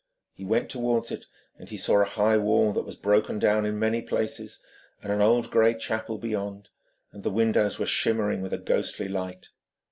He went towards it, and he saw a high wall that was broken down in many places, and an old grey chapel beyond, and the windows were shimmering with a ghostly light.